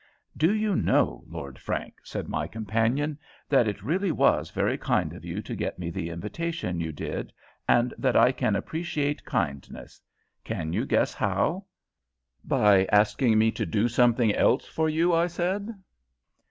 "Do you know, Lord Frank," said my companion, "that it really was very kind of you to get me the invitation you did, and that I can appreciate kindness; can you guess how?" "By asking me to do something else for you," I said.